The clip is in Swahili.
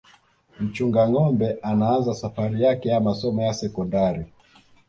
mchunga ngâombe anaanza safari yake ya masomo ya sekondari